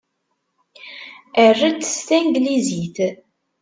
Err-d s tanglizit.